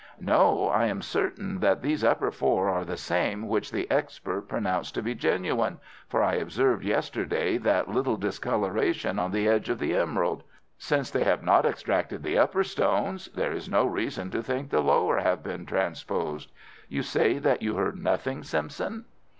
"No, I am certain that these upper four are the same which the expert pronounced to be genuine, for I observed yesterday that little discoloration on the edge of the emerald. Since they have not extracted the upper stones, there is no reason to think the lower have been transposed. You say that you heard nothing, Simpson?"